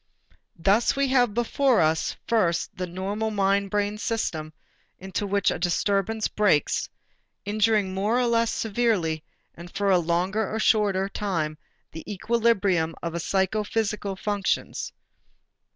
Thus we have before us, first the normal mind brain system into which a disturbance breaks, injuring more or less severely and for a longer or shorter time the equilibrium of the psychophysical functions.